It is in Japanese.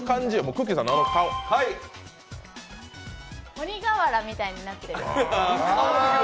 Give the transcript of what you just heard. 鬼瓦みたいになってる。